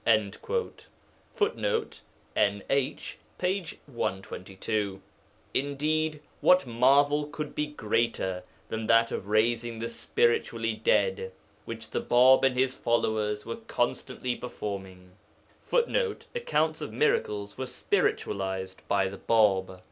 [Footnote: NH, p. 122.] Indeed, what marvel could be greater than that of raising the spiritually dead, which the Bāb and his followers were constantly performing? [Footnote: Accounts of miracles were spiritualized by the Bāb.